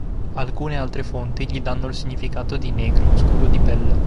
Alcune altre fonti gli danno il significato di "negro", "scuro di pelle".